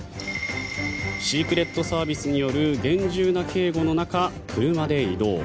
シークレットサービスによる厳重な警護の中、車で移動。